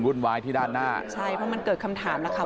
วุ่นวายที่ด้านหน้าใช่เพราะมันเกิดคำถามนะคะ